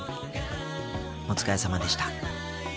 お疲れさまでした。